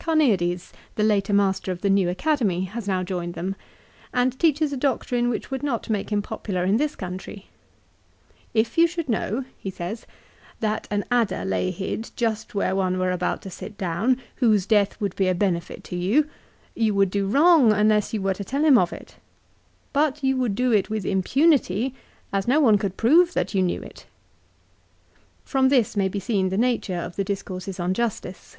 Carneades, the later master of the new Academy, has now joined them, and teaches a doctrine which would not make him popular in this country. "If you should know," he says, " that an adder lay hid just where one were about to sit down, whose death would be a benefit to you, you would do wrong unless you were to tell him of it. But you would do it with impunity, as no one could prove that you knew it." From this may be seen the nature of the discourses on justice.